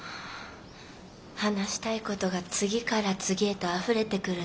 話したい事が次から次へとあふれてくるの。